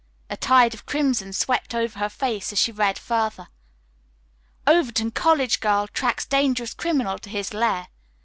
A tide of crimson swept over her face as she read further. "Overton College Girl Tracks Dangerous Criminal to His Lair.